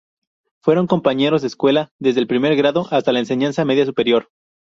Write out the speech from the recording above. Fueron compañeros de escuela desde el primer grado hasta la enseñanza media superior.